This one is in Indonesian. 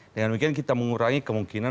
dengan mungkin kita mengurangi kemungkinan